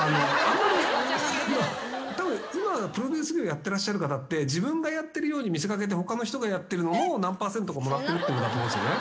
今プロデュース業やってらっしゃる方って自分がやってるように見せ掛けて他の人がやってるのも何％かもらってるんだと思うんですよね。